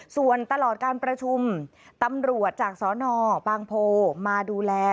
ส่วนตลอดการประชุมตำรวจจากสนบางโพมาดูแล